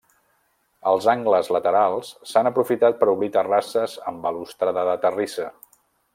Els angles laterals s'han aprofitat per obrir terrasses amb balustrada de terrissa.